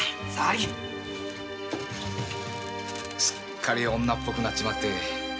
すっかり女っぽくなっちまってよ。